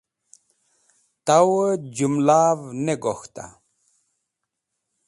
Tawẽ jũmlav ne gok̃hta?